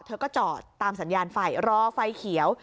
เธอก็จอดตามสัญญาณไฟรอไฟเขียว